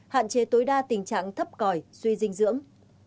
hạn chế tối đa tình trạng thấp còi suy dinh dưỡng